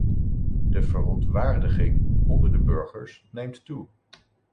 De verontwaardiging onder de burgers neemt toe.